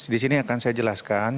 di sini akan saya jelaskan